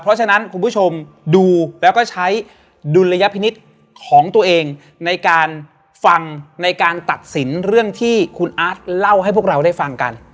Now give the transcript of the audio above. เพราะฉะนั้นคุณผู้ชมดูแล้วก็ใช้ดุลยพินิษฐ์ของตัวเองในการฟังในการตัดสินเรื่องที่คุณอาร์ตเล่าให้พวกเราได้ฟังกัน